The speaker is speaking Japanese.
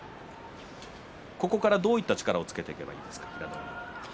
ここから、どういう力をつけていけばいいですか？